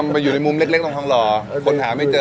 อ๋อมันอยู่ในมุมเล็กทองหล่อคนหาไม่เจอ